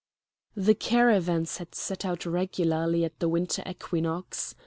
The caravans had set out regularly at the winter equinox.